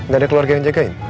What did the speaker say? gak ada keluarga yang jkin